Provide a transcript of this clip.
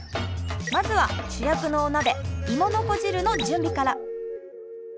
まずは主役のお鍋芋の子汁の準備から。